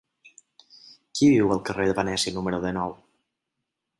Qui viu al carrer de Venècia número dinou?